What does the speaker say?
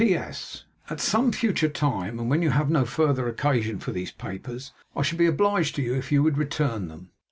'P.S. At some future time, and when you have no further occasion for these papers, I shall be obliged to you if you would return them.'